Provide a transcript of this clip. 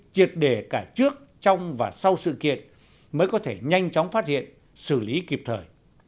triệt đề cả trước trong và sau sự kiện mới có thể nhanh chóng phát hiện xử lý kịp thời